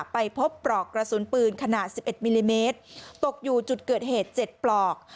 ไปพบปลอกกระสุนปืนขนาด๑๑มิลลิเมตรตกอยู่จุดเกิดเหตุ๗ปลอก